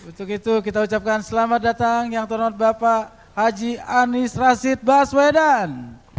untuk itu kita ucapkan selamat datang yang terhormat bapak haji anies rashid baswedan